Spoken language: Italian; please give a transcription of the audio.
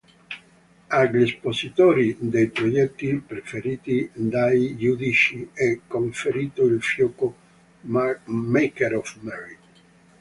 Agli espositori dei progetti preferiti dai giudici è conferito il fiocco "Maker of Merit".